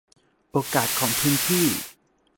โอกาสของพื้นที่